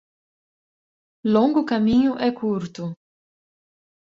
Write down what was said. Longo caminho, é curto.